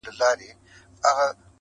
تبه زما ده، د بدن شمه ستا ختلې ده.